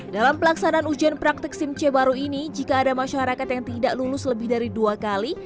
dalam pelaksanaan ujian praktik sim c baru ini jika ada masyarakat yang tidak lulus lebih dari dua kali